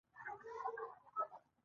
دا مه پوښته د مینې پواسطه څه جوړېږي.